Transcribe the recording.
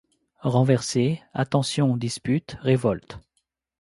Renversée: Attention dispute - révolte.